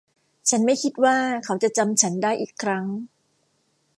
ฉันไม่คิดว่าเขาจะจำฉันได้อีกครั้ง